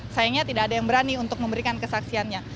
sayangnya tidak ada yang berani untuk memberikan kesaksiannya